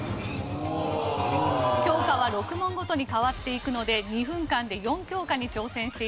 教科は６問ごとに変わっていくので２分間で４教科に挑戦して頂きます。